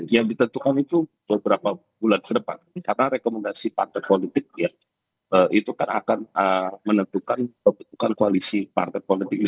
ya bisa jadi itu yang terjadi di dalam perusahaan ini jadi itu yang terjadi di dalam perusahaan ini jadi